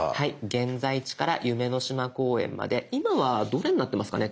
「現在地」から「夢の島公園」まで今はどれになってますかね